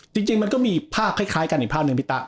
จริงมันก็มีภาพคล้ายกันอีกภาพหนึ่งพี่ตะ